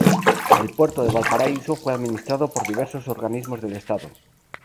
El puerto de Valparaíso fue administrado por diversos organismos del Estado.